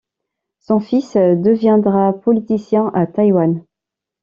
Son fils deviendra politicien à Taïwan.